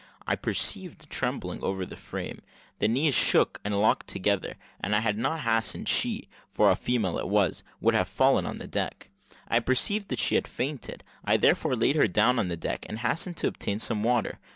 I perceived a trembling over the frame, the knees shook and knocked together, and had I not hastened, she for a female it was would have fallen on the deck. I perceived that she had fainted; I therefore laid her down on the deck, and hastened to obtain some water.